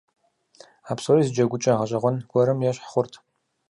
А псори зы джэгукӀэ гъэщӀэгъуэн гуэрым ещхь хъурт.